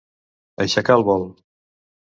Aixecar el vol.